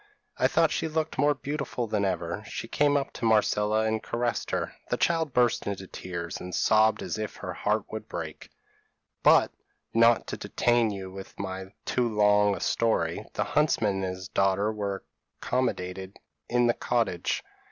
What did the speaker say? I thought she looked more beautiful than ever. She came up to little Marcella and caressed her: the child burst into tears, and sobbed as if her heart would break. "But, not to detain you with too long a story, the huntsman and his daughter were accommodated in the cottage.